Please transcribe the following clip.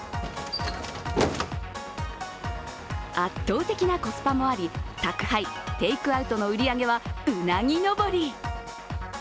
圧倒的なコスパもあり宅配、テイクアウトの売り上げはうなぎ登り。